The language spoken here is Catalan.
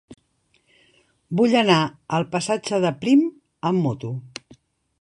Vull anar al passatge de Prim amb moto.